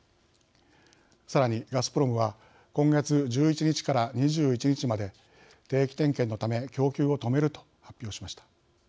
さらに、ガスプロムは今月１１日から２１日まで定期点検のため供給を止めると発表しました。